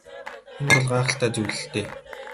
Энэ бол гайхалтай зүйл л дээ.